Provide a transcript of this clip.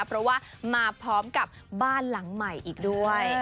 เพราะว่ามาพร้อมกับบ้านหลังใหม่อีกด้วย